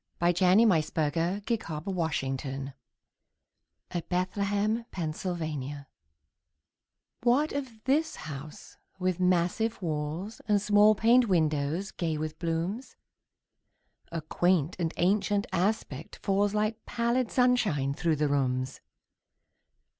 Sarah Orne Jewett The Widow's House (At Bethlehem, Pennsylvania) WHAT of this house with massive walls And small paned windows, gay with blooms? A quaint and ancient aspect falls Like pallid sunshine through the rooms.